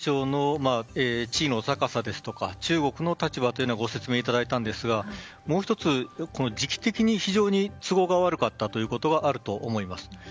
今、ペロシ下院議長の地位の高さですとか中国の立場というのはご説明いただいたんですがもう１つ、時期的に非常に都合が悪かったということはあると思います。